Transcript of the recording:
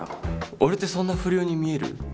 俺ってそんな不良に見える？